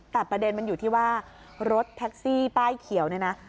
แต่ประเด็นอยู่ที่ที่ว่ารถแท็กซี่ป้ายเขียว